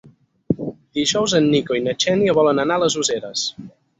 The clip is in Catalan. Dijous en Nico i na Xènia volen anar a les Useres.